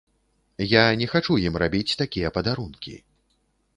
Я не хачу ім рабіць такія падарункі.